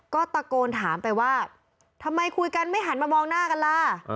ก็ตะโกนถามไปว่าทำไมคุยกันไม่หันมามองหน้ากันล่ะ